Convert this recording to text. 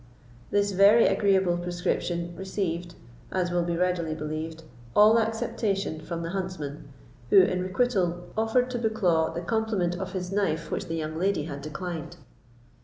This very agreeable prescription received, as will be readily believed, all acceptation from the huntsman, who, in requital, offered to Bucklaw the compliment of his knife, which the young lady had declined.